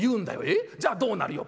えっじゃあどうなるよ？